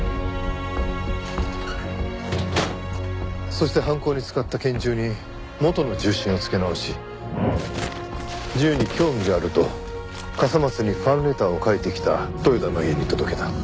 そして犯行に使った拳銃に元の銃身を付け直し銃に興味があると笠松にファンレターを書いてきた豊田の家に届けた。